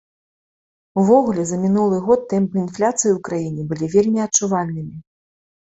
Увогуле, за мінулы год тэмпы інфляцыі ў краіне былі вельмі адчувальнымі.